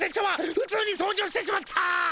ふつうに掃除をしてしまった！